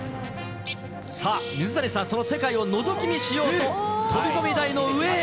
さあ、水谷さん、その世界をのぞき見しようと、飛込台の上へ。